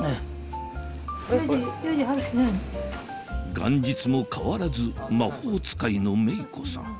元日も変わらず魔法使いの芽衣子さん